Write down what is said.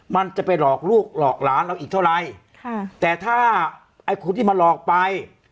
มันจะไปหลอกลูกหลอกหลานเราอีกเท่าไรค่ะแต่ถ้าไอ้คนที่มาหลอกไป